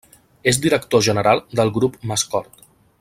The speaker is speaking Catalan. És director general del Grup Mascort.